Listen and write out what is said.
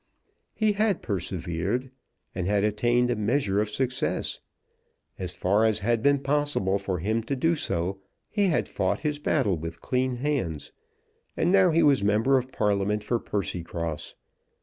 He had persevered, and had attained a measure of success. As far as had been possible for him to do so, he had fought his battle with clean hands, and now he was member of Parliament for Percycross.